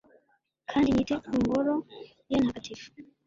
kandi nite ku ngoro ye ntagatifu